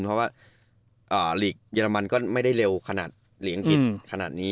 เพราะว่าหลีกเยอรมันก็ไม่ได้เร็วขนาดเหรียญอังกฤษขนาดนี้